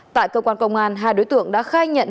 tại cơ quan công an hai đối tượng đã khai nhận